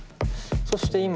そして今。